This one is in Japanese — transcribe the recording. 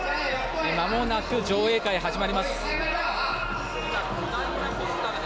まもなく上映会が始まります。